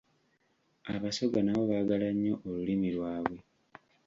Abasoga nabo baagala nnyo olulimi lwabwe.